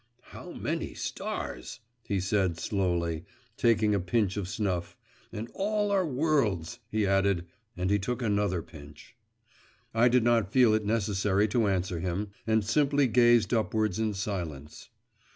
'How many stars!' he said slowly, taking a pinch of snuff; 'and all are worlds,' he added, and he took another pinch. I did not feel it necessary to answer him, and simply gazed upwards in silence.